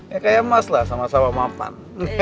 ya kayak emas lah sama sama mapan